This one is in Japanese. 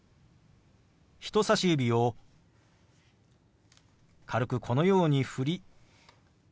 人さし指を軽くこのように振りＷｈ